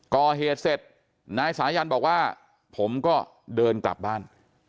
ก่อเหตุเสร็จนายสายันบอกว่าผมก็เดินกลับบ้าน